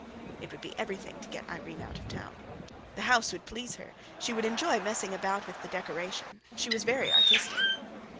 It would be everything to get Irene out of town. The house would please her, she would enjoy messing about with the decoration, she was very artistic!